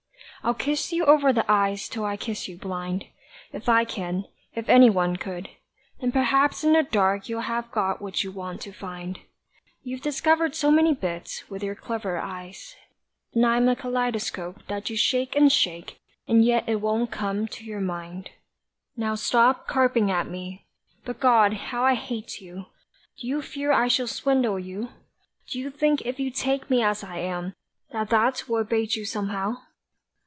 I'll kiss you over the eyes till I kiss you blind; If I can if any one could. Then perhaps in the dark you'll have got what you want to find. You've discovered so many bits, with your clever eyes, And I'm a kaleidoscope That you shake and shake, and yet it won't come to your mind. Now stop carping at me. But God, how I hate you! Do you fear I shall swindle you? Do you think if you take me as I am, that that will abate you Somehow?